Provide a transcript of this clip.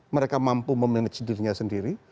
mereka mampu memanage dirinya sendiri